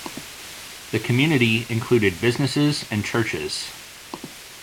The community included businesses and churches.